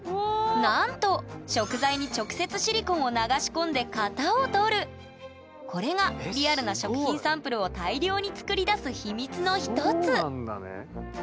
なんとこれがリアルな食品サンプルを大量に作り出す秘密の一つ！